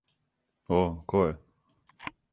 О, ко је?